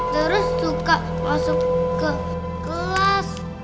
terus suka masuk ke kelas